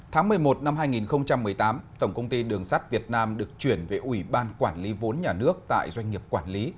tháng một mươi một năm hai nghìn một mươi tám tổng công ty đường sắt việt nam được chuyển về ủy ban quản lý vốn nhà nước tại doanh nghiệp quản lý